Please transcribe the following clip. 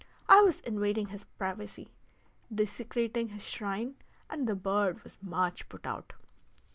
I was invading his privacy, desecrating his shrine, and the bird was much put out.